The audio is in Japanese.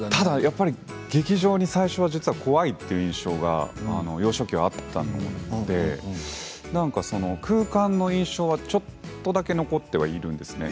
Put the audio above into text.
劇場、最初怖いという印象が幼少期はあったので空間の印象はちょっとだけ残っているんですよね。